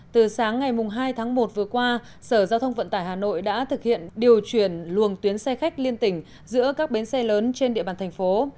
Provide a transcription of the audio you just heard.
từ sáng ngày hai tháng một vừa qua sở giao thông vận tải hà nội đã thực hiện điều chuyển luồng tuyến xe khách liên tỉnh giữa các bến xe lớn trên địa bàn thành phố